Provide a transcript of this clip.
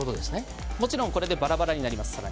もちろんこれでバラバラになります。